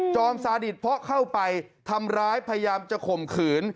อมซาดิตเพราะเข้าไปทำร้ายพยายามจะข่มขืน